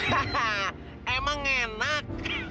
haha emang enak